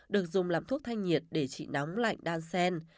được dùng làm thuốc thanh nhiệt để trị nóng lạnh đan sen